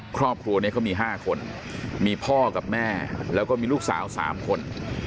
ครอบครัวนี้เขามี๕คนมีพ่อกับแม่แล้วก็มีลูกสาว๓คน